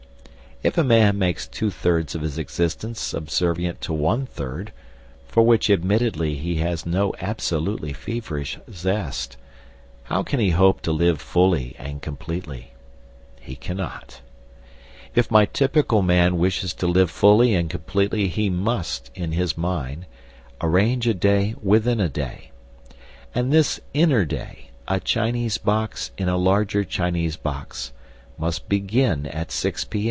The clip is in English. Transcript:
If a man makes two thirds of his existence subservient to one third, for which admittedly he has no absolutely feverish zest, how can he hope to live fully and completely? He cannot. If my typical man wishes to live fully and completely he must, in his mind, arrange a day within a day. And this inner day, a Chinese box in a larger Chinese box, must begin at 6 p.